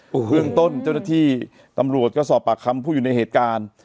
เบื้องต้นเจ้าหน้าที่ตำรวจก็สอบปากคำผู้อยู่ในเหตุการณ์